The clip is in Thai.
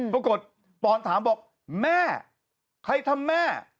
ปอนถามบอกแม่ใครทำแม่